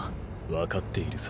分かっているさ。